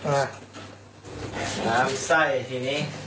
ต้องเอารถขึ้นมาถึงนี้เลยเหรอพี่